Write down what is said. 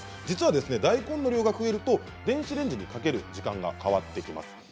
実は、大根の量が増えると電子レンジにかける時間が変わります。